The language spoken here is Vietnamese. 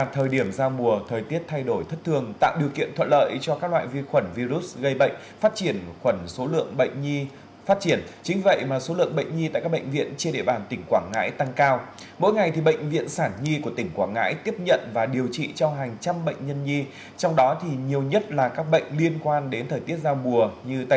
thời điểm giao mùa này là những bệnh virus vi khuẩn vi khuẩn đặc biệt là trẻ con nít thì rất là nhiều